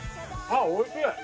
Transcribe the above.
あっおいしい。